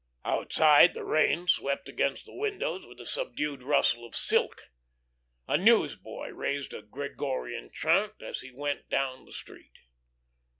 Outside the rain swept against the windows with the subdued rustle of silk. A newsboy raised a Gregorian chant as he went down the street.